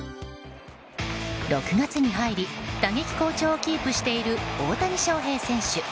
６月に入り、打撃好調をキープしている大谷翔平選手。